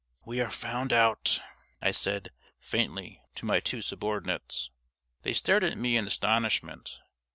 "We are found out!" I said, faintly, to my two subordinates. They stared at me in astonishment.